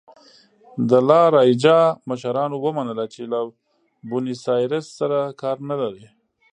د لا رایجا مشرانو ومنله چې له بونیسایرس سره کار نه لري.